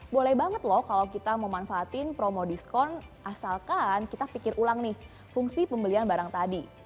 boleh banget loh kalau kita memanfaatkan promo diskon asalkan kita pikir ulang nih fungsi pembelian barang tadi